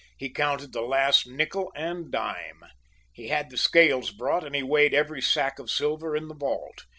He counted the last nickle and dime. He had the scales brought, and he weighed every sack of silver in the vault.